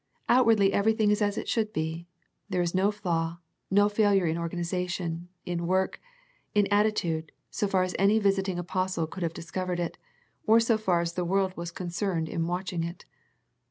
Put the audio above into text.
Outwardly everything is as it should be. There is no flaw, no failure, in organization, in work, in attitude, so far as any visiting apostle could have discovered it, or so far as the world was concerned in watching it.